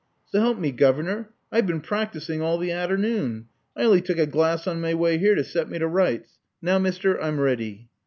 •*S' help me, governor, I've been practising all the a'ternoon. I on'y took a glass on my way here to set me to rights. Now, Mister, I'm ready."